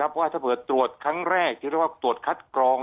เพราะว่าถ้าเผื่อตรวจครั้งแรกที่เรียกว่าตรวจคัดกรอง